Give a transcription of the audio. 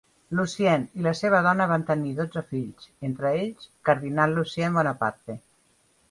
Lucien i la seva dona van tenir dotze fills, entre ells, Cardinal Lucien Bonaparte.